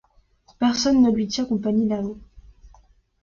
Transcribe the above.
Personne ne lui tient compagnie là-haut.